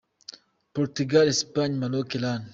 Portugal, Espagne, Maroc, Iran